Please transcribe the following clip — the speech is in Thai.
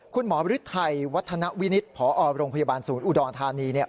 คุณหมอฤทัยวัฒนวินิศผอโรงพยาบาลศูนย์อุดรธานี